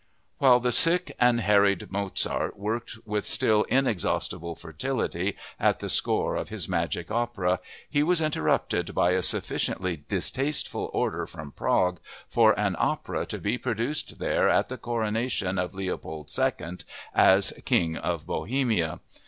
While the sick and harried Mozart worked with still inexhaustible fertility at the score of his magic opera he was interrupted by a sufficiently distasteful order from Prague for an opera to be produced there at the coronation of Leopold II as "King of Bohemia."